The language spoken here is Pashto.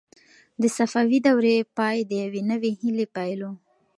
د صفوي دورې پای د یوې نوې هیلې پیل و.